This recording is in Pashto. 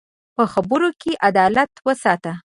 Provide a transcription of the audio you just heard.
په خبرو کې عدالت وساته